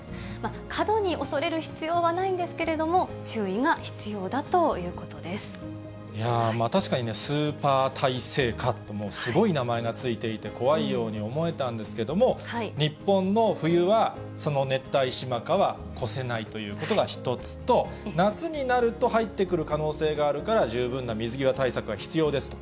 過度に恐れる必要はないんですけれども、注意が必要だということいや、確かにスーパー耐性蚊と、すごい名前が付いていて、怖いように思えたんですけれども、日本の冬は、そのネッタイシマカは越せないということが一つと、夏になると入ってくる可能性があるから、十分な水際対策が必要ですと。